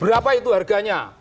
berapa itu harganya